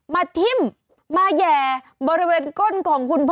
ทิ้มมาแห่บริเวณก้นของคุณพ่อ